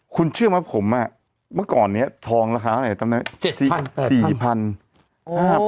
คุณเชื่อไหมผมเมื่อก่อนนี้ทองราคาเท่าไหร่จำได้ไหม